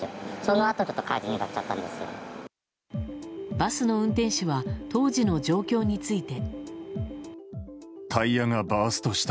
バスの運転手は当時の状況について。